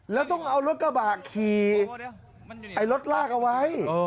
แล้วต้องเอารถกระบะขี่รถลากเอาไว้